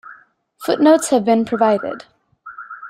Footnotes have been provided.